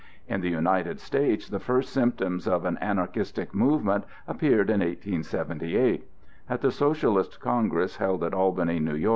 In the United States the first symptoms of an anarchistic movement appeared in 1878. At the Socialist congress held at Albany, N. Y.